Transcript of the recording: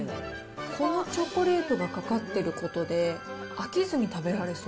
このチョコレートがかかっていることで、飽きずに食べられそう。